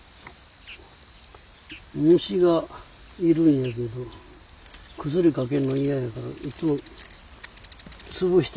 虫がいるんやけど薬かけるの嫌やからいっつも潰してんねんな。